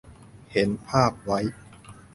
เห็นภาพไว้